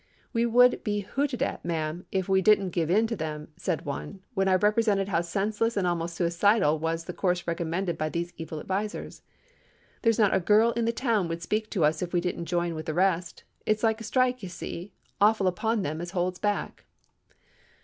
"We would be hooted at, ma'am, if we didn't give in to them," said one, when I represented how senseless and almost suicidal was the course recommended by these evil advisers. "There's not a girl in the town would speak to us if we didn't join in with the rest. It's like a strike, you see—awful upon them as holds back."